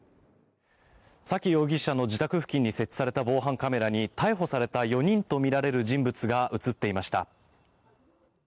沙喜容疑者の自宅付近に設置された防犯カメラに逮捕された４人とみられる人物が映っていました。